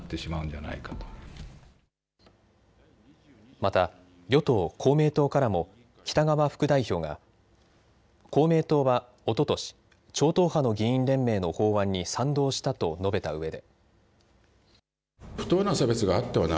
また与党公明党からも北側副代表が公明党はおととし、超党派の議員連盟の法案に賛同したと述べたうえで。